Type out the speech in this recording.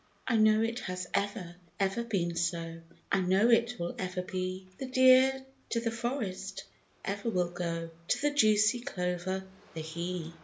I know it has ever, ever been so, I know it will ever be: The deer to the forest ever will go, To the juicy clover—the bee.